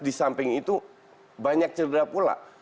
di samping itu banyak cedera pula